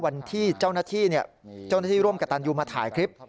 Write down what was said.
วันที่เจ้าหน้าที่เนี่ยเจ้าหน้าที่ร่วมกับตันอยู่มาถ่ายคลิป